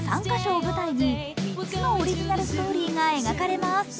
３カ所を舞台に３つのオリジナルストーリーが描かれます。